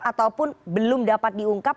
ataupun belum dapat diungkap